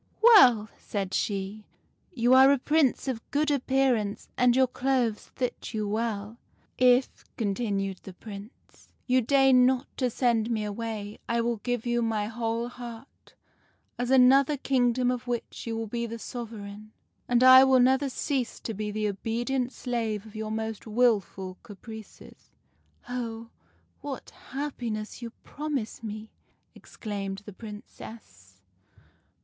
"' Well,' said she, 'you are a Prince of good appearance, and your clothes fit you very well.' "' If,' continued the Prince, ' you deign not to send me away, I will give you my whole heart, as another kingdom of which you will be the sovereign ; and I will never cease to be the obedient slave of your most wilful caprices.' "' Oh, what happiness you promise me !' exclaimed the Princess.